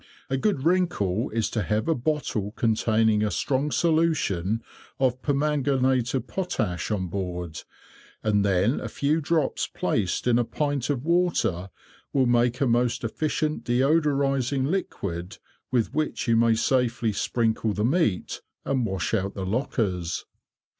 A good wrinkle is to have a bottle containing a strong solution of permanganate of potash on board, and then a few drops placed in a pint of water will make a most efficient deodorising liquid, with which you may safely sprinkle the meat, and wash out the lockers.